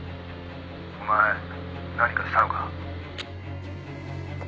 「お前何かしたのか？」